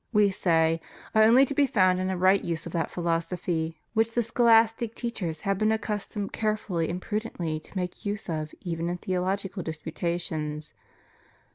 We say, are only to be found in a right use of that philosophy which the scholastic teachers have been accustomed carefully and prudently to make use of even in theological disputations.